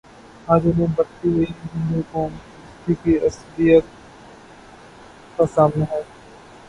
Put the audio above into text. آج انہیں بڑھتی ہوئی ہندوقوم پرستی کی عصبیت کا سامنا ہے۔